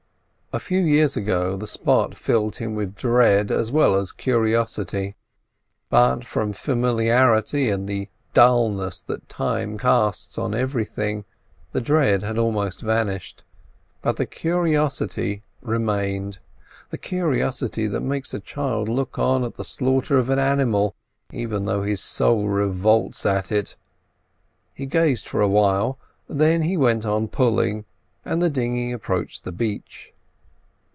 A few years ago the spot filled him with dread as well as curiosity, but from familiarity and the dullness that time casts on everything, the dread had almost vanished, but the curiosity remained: the curiosity that makes a child look on at the slaughter of an animal even though his soul revolts at it. He gazed for a while, then he went on pulling, and the dinghy approached the beach.